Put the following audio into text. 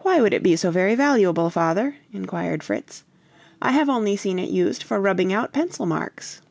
"Why would it be so very valuable, father?" inquired Fritz. "I have only seen it used for rubbing out pencil marks."